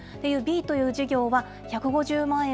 Ｂという事業は１５０万円